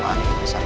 ya raden ada disini